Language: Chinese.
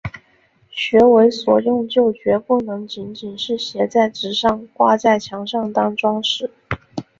学为所用就决不能仅仅是写在纸上、挂在墙上当‘装饰’